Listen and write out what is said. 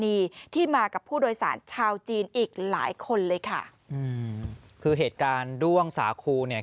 มีที่มากับผู้โดยสารชาวจีนอีกหลายคนเลยค่ะอืมคือเหตุการณ์ด้วงสาคูเนี่ย